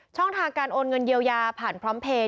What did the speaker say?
ช่องทางการโอนเงินเยียวยาผ่านพร้อมเพลย์